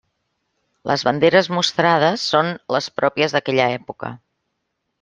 Les banderes mostrades són les pròpies d'aquella època.